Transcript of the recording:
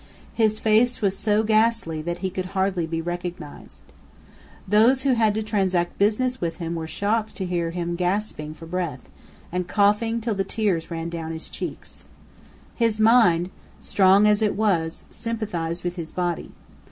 His face was so ghastly that he could hardly be recognised. Those who had to transact business with him were shocked to hear him gasping for breath, and coughing till the tears ran down his cheeks. His mind, strong as it was, sympathized with his body.